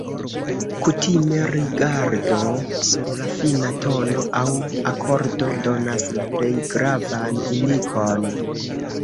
Kutime rigardo sur la fina tono aŭ akordo donas la plej gravan indikon.